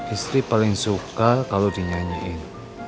istri paling suka kalau dinyanyiin